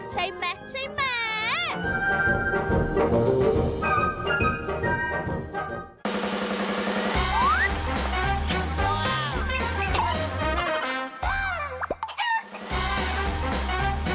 ใช่ไหมใช่ไหม